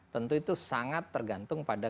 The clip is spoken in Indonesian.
tentu itu sangat tergantung pada